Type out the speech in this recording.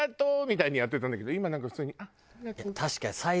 みたいにやってたんだけど今なんか普通に「ありがとう」。